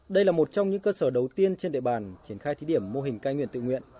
đây là một trong những cơ sở đầu tiên trên địa bàn triển khai thí điểm mô hình cai nghiện tự nguyện